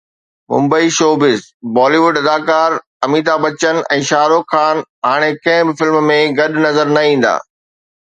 Mumbai (showbiz news) Bollywood اداڪار اميتاڀ بچن ۽ شاهه رخ خان هاڻي ڪنهن به فلم ۾ گڏ نظر نه ايندا.